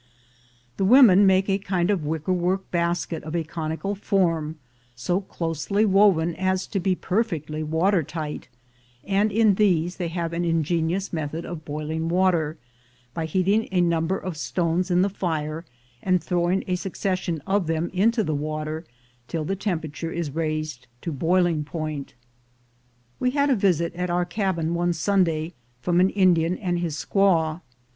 The women make a kind of wicker work basket of a conical form, so closely woven as to be perfectly water tight, and in these they have an ingenious method of boiling water, by heating a number of stones in the fire, and throwing a succession of them into, the water till the temperature is raised to boiling point. We had a visit at our cabin one Sunday from an Indian and his squaw.